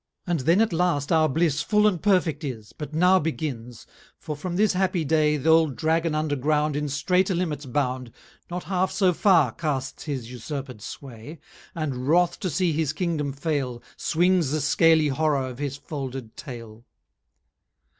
XVIII And then at last our bliss Full and perfect is, But now begins; for from this happy day Th'old Dragon under ground In straiter limits bound, Not half so far casts his usurped sway, 170 And wrath to see his Kingdom fail, Swindges the scaly Horrour of his foulded tail.